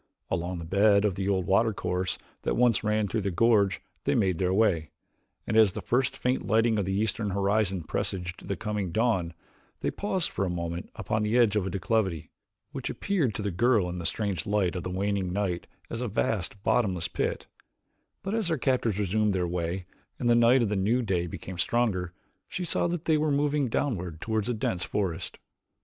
Along the bed of the old watercourse that once ran through the gorge they made their way, and as the first faint lightening of the eastern horizon presaged the coming dawn, they paused for a moment upon the edge of a declivity, which appeared to the girl in the strange light of the waning night as a vast, bottomless pit; but, as their captors resumed their way and the light of the new day became stronger, she saw that they were moving downward toward a dense forest.